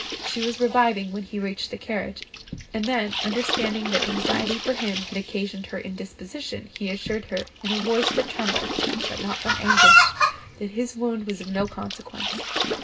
She was reviving when he reached the carriage; and then, understanding that anxiety for him had occasioned her indisposition, he assured her, in a voice that trembled, but not from anguish, that his wound was of no consequence.